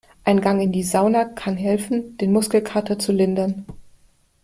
Ein Gang in die Sauna kann helfen, den Muskelkater zu lindern.